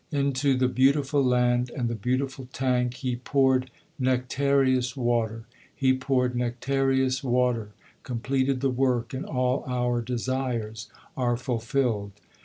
Into the beautiful land and the beautiful tank He poured nectareous water. He poured nectareous water, completed the work, and all our desires are fulfilled.